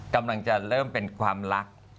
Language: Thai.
กำลังจะเริ่มเป็นความรัก